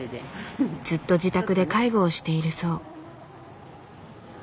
ずっと自宅で介護をしているそう。